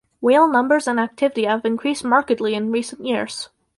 Whale numbers and activity have increased markedly in recent years.